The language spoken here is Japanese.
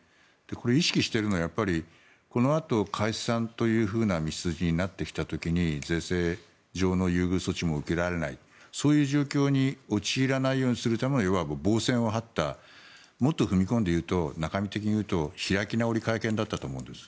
これ、意識しているのはやっぱり、このあと解散というような道筋になってきた時に税制上の優遇措置も受けられないそういう状況に陥らないようにするためのいわば予防線を張ったもっと踏み込んで言うと中身的に言うと開き直り会見だったと思うんです。